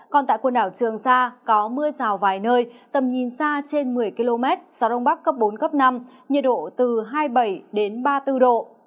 còn tại quần đảo trường sa có mưa rào vài nơi tầm nhìn xa trên một mươi km gió đông bắc cấp bốn năm nhiệt độ từ hai mươi bảy ba mươi bốn độ